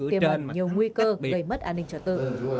tiếp ơn nhiều nguy cơ gây mất an ninh trở tư